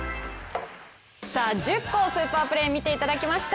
１０個スーパープレーを見ていただきました。